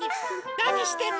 なにしてるの？